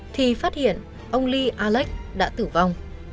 thì phát hiện ông lee alex đã tử vong